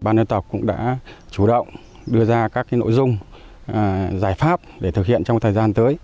ban dân tộc cũng đã chủ động đưa ra các nội dung giải pháp để thực hiện trong thời gian tới